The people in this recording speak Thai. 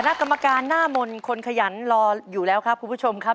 นักกรรมการหน้ามนต์คนขยันรออยู่แล้วครับคุณผู้ชมครับ